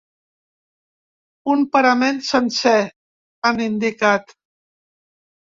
Un parament sencer, han indicat.